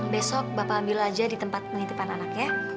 besok bapak ambil aja di tempat penitipan anaknya